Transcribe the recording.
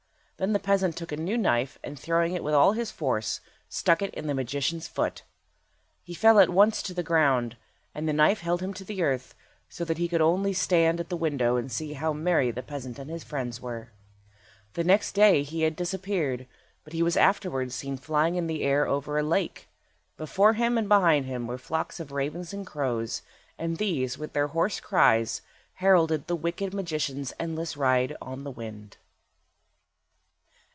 Then the peasant took a new knife, and throwing it with all his force, stuck it in the magician's foot. He fell at once to the ground, and the knife held him to the earth, so that he could only stand at the window and see how merry the peasant and his friends were. The next day he had disappeared, but he was afterwards seen flying in the air over a lake. Before him and behind him were flocks of ravens and crows, and these, with their hoarse cries, heralded the wicked magician's endless ride on the wind.